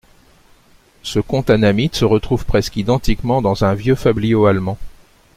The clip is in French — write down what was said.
Ce conte annamite se retrouve presque identiquement dans un vieux fabliau allemand.